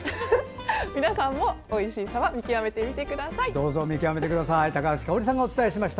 皆さんもおいしいサバを見極めてみてください。